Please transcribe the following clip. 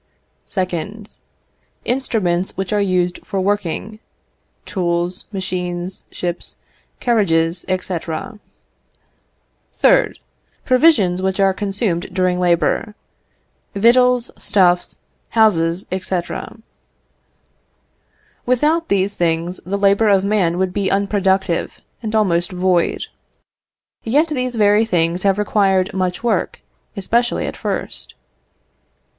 2nd. Instruments which are used for working tools, machines, ships, carriages, &c. 3rd. Provisions which are consumed during labour victuals, stuffs, houses, &c. Without these things the labour of man would be unproductive and almost void; yet these very things have required much work, especially at first.